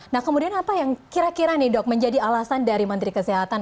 nah kemudian apa yang kira kira nih dok menjadi alasan dari menteri kesehatan